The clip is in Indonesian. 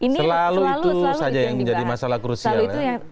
selalu itu saja yang menjadi masalah krusial ya